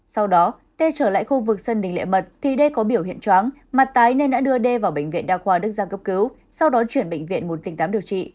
sau đó tê trở lại khu vực sân đỉnh lệ mật thì đê có biểu hiện chóng mặt tái nên đã đưa đê vào bệnh viện đa khoa đức giang cấp cứu sau đó chuyển bệnh viện một tỉnh tám điều trị